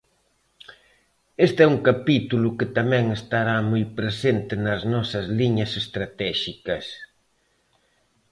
Este é un capítulo que tamén estará moi presente nas nosas liñas estratéxicas.